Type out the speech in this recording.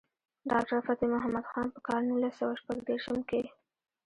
ډاکټر فتح مند خان پۀ کال نولس سوه شپږ دېرشم کښې